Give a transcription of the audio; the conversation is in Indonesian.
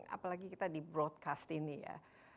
apalagi kita di broadcast ini ya